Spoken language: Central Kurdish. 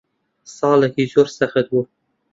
ساڵێکی زۆر سەخت بوو.